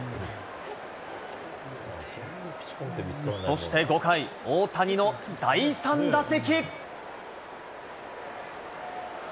そして５回、大谷の第３打席。